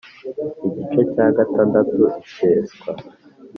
igice cya gatandatu iseswa